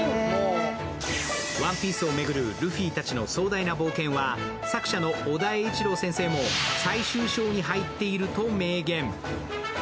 ＯＮＥＰＩＥＣＥを巡るルフィたちの壮大な冒険は作者の尾田栄一郎先生も、最終章に入っていると明言。